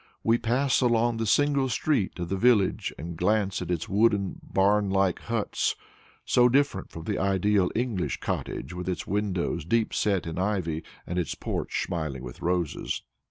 We pass along the single street of the village, and glance at its wooden barn like huts, so different from the ideal English cottage with its windows set deep in ivy and its porch smiling with roses.